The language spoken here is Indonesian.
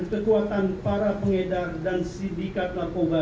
kekuatan para pengedar dan sindikat narkoba